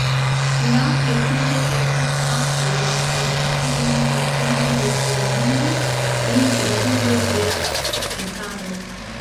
La petito estas parto de la tradicia sistemo de terminoj pri grandoj de tiparoj.